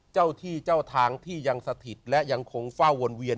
เจ้าที่เจ้าทางที่ยังสถิตและยังคงเฝ้าวนเวียน